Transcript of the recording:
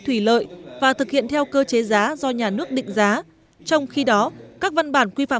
thủy lợi và thực hiện theo cơ chế giá do nhà nước định giá trong khi đó các văn bản quy phạm